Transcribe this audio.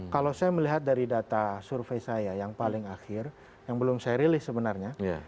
kalau saya melihat dari data survei saya yang paling akhir yang belum saya rilis sebenarnya